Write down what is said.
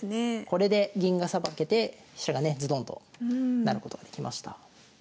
これで銀がさばけて飛車がねズドンと成ることができました。